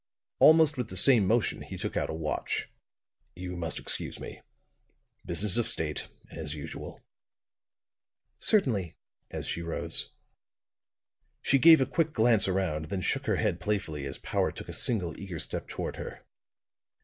Almost with the same motion he took out a watch. "You must excuse me. Business of state, as usual." "Certainly," as she rose. She gave a quick glance around, then shook her head playfully as Powart took a single eager step toward her.